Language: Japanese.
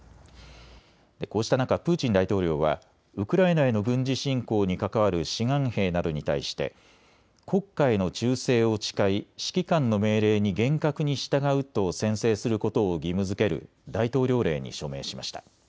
こうした中、プーチン大統領はウクライナへの軍事侵攻に関わる志願兵などに対して国家への忠誠を誓い指揮官の命令に厳格に従うと宣誓することを義務づける大統領令に署名しました。